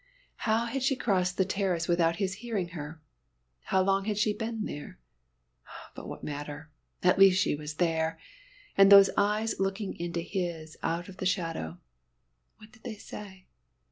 How had she crossed the terrace without his hearing her? How long had she been there? But what matter? At least she was there. And those eyes looking into his out of the shadow, what did they say?